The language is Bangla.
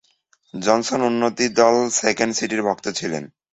জনসন উন্নতি দল সেকেন্ড সিটির ভক্ত ছিলেন।